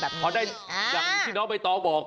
พอได้อย่างที่น้องไปตอบอก